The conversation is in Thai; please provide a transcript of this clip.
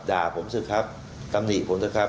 ด่าผมซึ่งครับกำหนี่ผมซึ่งครับ